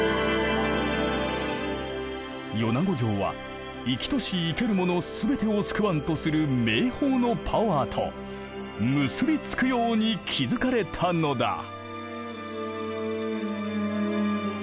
米子城は生きとし生けるもの全てを救わんとする名峰のパワーと結び付くように築かれたのだ。